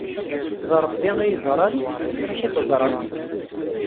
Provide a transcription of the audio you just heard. D Ṛebbi i yeẓṛan! "Amek i teẓṛamt?"